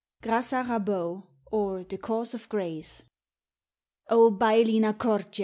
GRASACH ABO OR THE CAUSE OF GRACE O, Baillie Na Cortie!